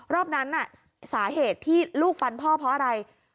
รอบนั้นสาเหตุที่ลูกฟันพ่อเพราะอะไร